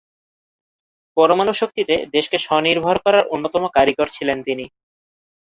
পরমাণু শক্তিতে দেশকে স্বনির্ভর করার অন্যতম কারিগর ছিলেন তিনি।